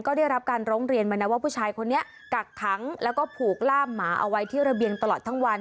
ก็ได้รับการร้องเรียนมานะว่าผู้ชายคนนี้กักขังแล้วก็ผูกล่ามหมาเอาไว้ที่ระเบียงตลอดทั้งวัน